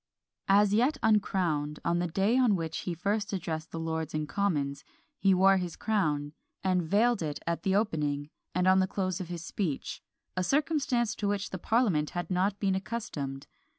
As yet uncrowned, on the day on which he first addressed the Lords and Commons, he wore his crown, and vailed it at the opening, and on the close of his speech; a circumstance to which the parliament had not been accustomed.